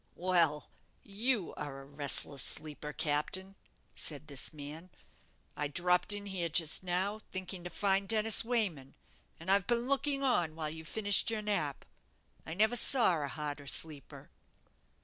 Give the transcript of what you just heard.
"Well, you are a restless sleeper, captain!" said this man: "I dropped in here just now, thinking to find Dennis Wayman, and I've been looking on while you finished your nap. I never saw a harder sleeper."